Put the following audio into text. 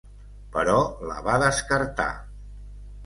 Però la va descartar.